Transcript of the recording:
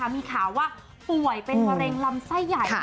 มีข่าวว่าป่วยเป็นมะเร็งลำไส้ใหญ่